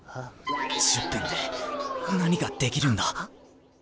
１０分で何ができるんだ。